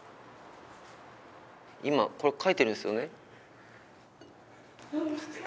今これ書いてるんですよね？